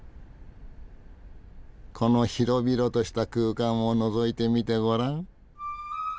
この広々とした空間をのぞいてみてごらん。